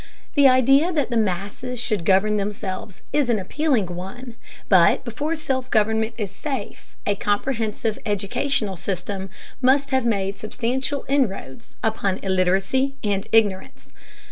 The idea that the masses should govern themselves is an appealing one, but before self government is safe a comprehensive educational system must have made substantial inroads upon illiteracy and ignorance.